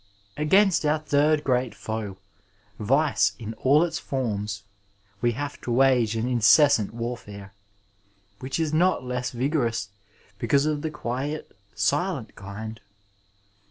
Against our third great foe — ^vice in all its f(»na we have to wage an incessant warfare, which is not less vigor, ous because of the quiet, silent kind.